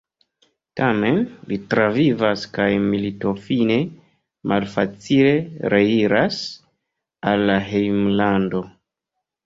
Tamen, li travivas kaj militofine malfacile reiras al la hejmlando.